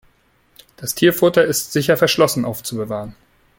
Das Tierfutter ist sicher verschlossen aufzubewahren.